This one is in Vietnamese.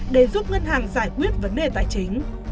để giúp ngân hàng giải quyết vấn đề tài chính